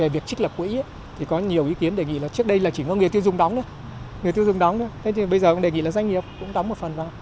vì trước đây chỉ có người tiêu dùng đóng bây giờ đề nghị doanh nghiệp cũng đóng một phần vào